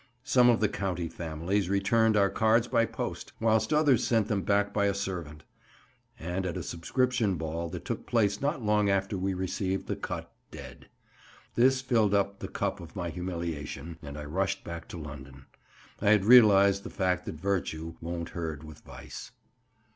Some of the county families returned our cards by post, whilst others sent them back by a servant; and at a subscription ball that took place not long after we received the cut dead. This filled up the cup of my humiliation, and I rushed back to London. I had realised the fact that virtue won't herd with vice.